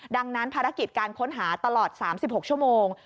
ดังนั้นภารกิจการค้นหาตลอด๓๖ชั่วโมง